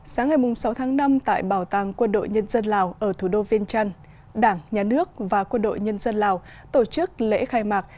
sáng ngày sáu tháng năm tại bảo tàng quân đội nhân dân lào ở thủ đô viên trăn đảng nhà nước và quân đội nhân dân lào tổ chức lễ khai mạc